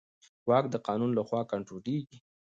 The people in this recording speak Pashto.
واک د قانون له خوا کنټرولېږي.